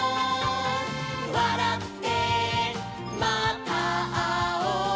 「わらってまたあおう」